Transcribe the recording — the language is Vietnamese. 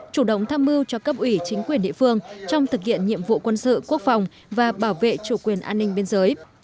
chủ động tham mưu cho cấp ủy chính quyền địa phương trong thực hiện nhiệm vụ quân sự quốc phòng và bảo vệ chủ quyền an ninh biên giới